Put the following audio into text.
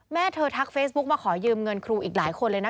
แม่เธอทักเฟซบุ๊กมาขอยืมเงินครูอีกหลายคนเลยนะ